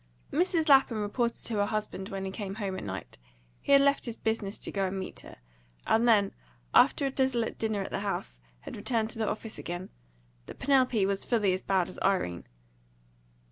Mrs. Lapham reported to her husband when he came home at night he had left his business to go and meet her, and then, after a desolate dinner at the house, had returned to the office again that Penelope was fully as bad as Irene.